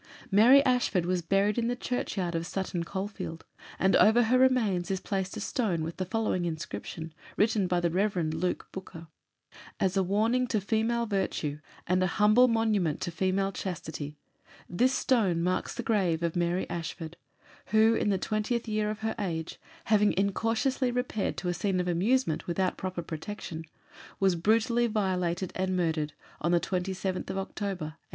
Mary Ashford was buried in the Churchyard of Sutton Colefield, and over her remains is placed a stone with the following inscription, written by the Rev. Luke Booker: "As a warning to female virtue, and a humble Monument to female chastity, This stone marks the grave of MARY ASHFORD, Who, in the 20th year of her age, Having incautiously repaired to a Scene of amusement, without proper protection, Was brutally violated and murdered On the 27th of October, 1817."